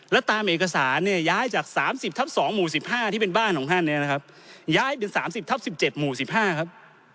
และตามเอกสารย้ายจาก๓๐๒๑๕หมู่๑๕ที่เป็นบ้านของห้านย้ายเป็น๓๐๑๗หมู่๑๕ครับ